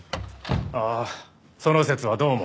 ああその節はどうも。